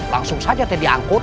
langsung saja teh diangkut